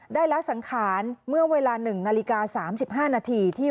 ละสังขารเมื่อเวลา๑นาฬิกา๓๕นาทีที่